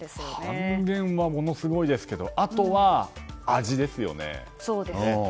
半減はものすごいですけどあとは味ですよね。